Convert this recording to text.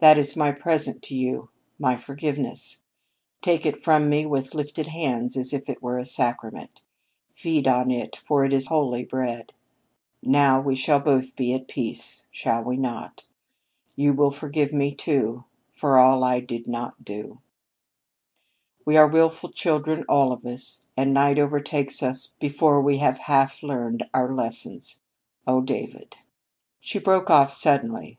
"That is my present to you my forgiveness. Take it from me with lifted hands as if it were a sacrament; feed on it, for it is holy bread. Now we shall both be at peace, shall we not? You will forgive me, too, for all I did not do. "We are willful children, all of us, and night over takes us before we have half learned our lessons. "Oh, David " She broke off suddenly.